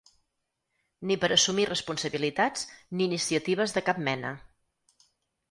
Ni per assumir responsabilitats, ni iniciatives de cap mena.